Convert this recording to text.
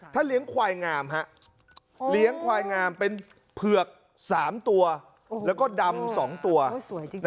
ถ้าเลี้ยงควายงามฮะเลี้ยงควายงามเป็นเผือกสามตัวแล้วก็ดำสองตัวโอ้ยสวยจริงจริง